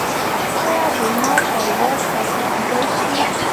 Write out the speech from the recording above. ایا زما پایواز پاتې کیدی شي؟